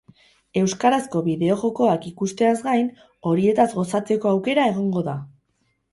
Euskarazko bideo-jokoak ikusteaz gain, horietaz gozatzeko aukera egongo da.